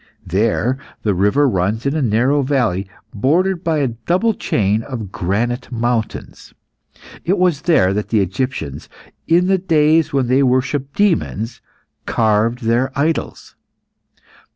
There the river runs in a narrow valley, bordered by a double chain of granite mountains. It was there that the Egyptians, in the days when they worshipped demons, carved their idols.